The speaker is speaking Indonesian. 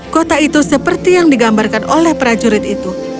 kota itu seperti yang digambarkan oleh prajurit itu